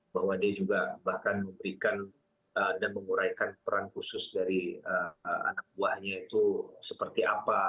bahwa dia juga bahkan memberikan dan menguraikan peran khusus dari anak buahnya itu seperti apa